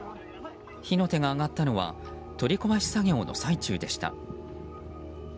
火の手が上がったのは取り壊し作業の最中でした。